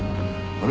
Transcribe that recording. あれ？